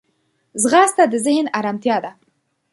ځغاسته د ذهن ارمتیا ده